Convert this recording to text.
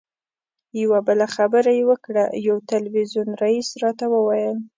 یوه بله خبره یې وکړه یو تلویزیون رییس راته وویل.